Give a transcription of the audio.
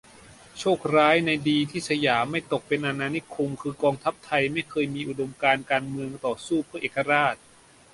โชคร้ายในดีที่สยามไม่ตกเป็นอาณานิคม คือกองทัพไทยไม่เคยมีอุดมการณ์การเมืองต่อสู้เพื่อเอกราช